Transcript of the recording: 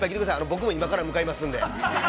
僕も今から向かいますので。